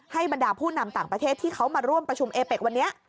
บรรดาผู้นำต่างประเทศที่เขามาร่วมประชุมเอเป็กวันนี้